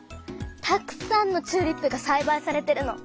たくさんのチューリップがさいばいされてるの。